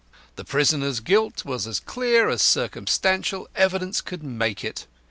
The prisoner's guilt was as clear as circumstantial evidence could make it.